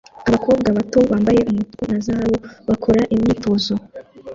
Abakobwa bato bambaye umutuku na zahabu bakora imyitozo